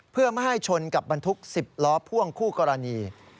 เพื่อไม่ให้ชนกับบรรทุก๑๐ล้อพ่วงคู่กรณี